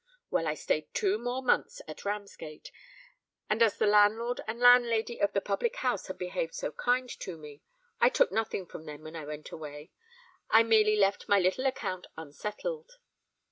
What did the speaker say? Well, I stayed two more months at Ramsgate; and as the landlord and landlady of the public house had behaved so kind to me, I took nothing from them when I went away. I merely left my little account unsettled.